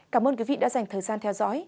cảm ơn quý vị đã dành thời gian theo dõi